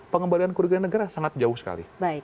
pengembalian kerugian negara sangat jauh sekali